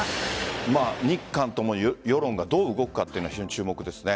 日韓とも、世論がどう動くかは非常に注目ですね。